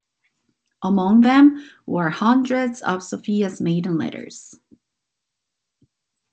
Among them were hundreds of Sophia's maiden letters.